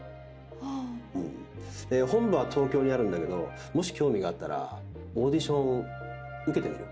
はあで本部は東京にあるんだけどもし興味があったらオーディション受けてみる？